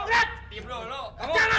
hei jangan gerak